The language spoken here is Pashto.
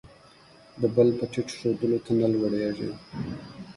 د بل په ټیټ ښودلو، ته نه لوړېږې.